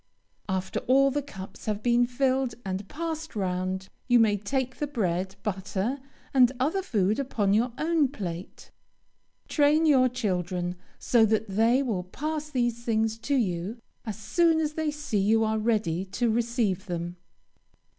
After all the cups have been filled and passed round, you may take the bread, butter, and other food upon your own plate. Train your children, so that they will pass these things to you as soon as they see you are ready to receive them.